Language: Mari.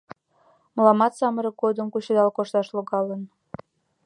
Мыламат самырык годым кучедал кошташ логалын.